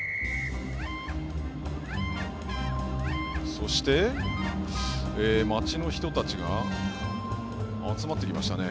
そして、街の人たちが集まってきましたね。